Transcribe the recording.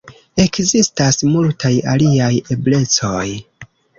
Ekzistas multaj aliaj eblecoj.